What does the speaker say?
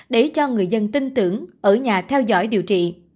để cho người dân tin tưởng ở nhà theo dõi điều trị